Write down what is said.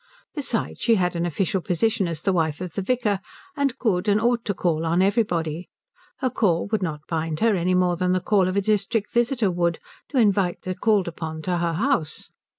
Besides, she had an official position as the wife of the vicar and could and ought to call on everybody. Her call would not bind her, any more than the call of a district visitor would, to invite the called upon to her house.